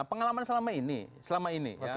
pengalaman selama ini selama ini ya